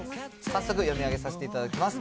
早速、読み上げさせていただきます。